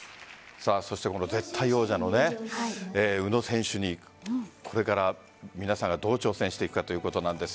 そして絶対王者の宇野選手にこれから皆さんがどう挑戦していくかということです。